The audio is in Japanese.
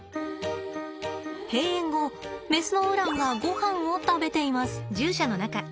閉園後メスのウランがごはんを食べています。